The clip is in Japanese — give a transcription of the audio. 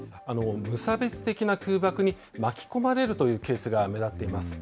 無差別的な空爆に巻き込まれるというケースが目立っています。